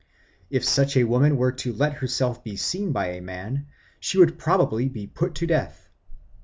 If such a woman were to let herself be seen by a man, she would probably be put to death.